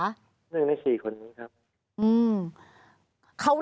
หนึ่งในสี่คนนี้ครับ